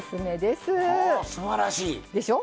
すばらしい！でしょ？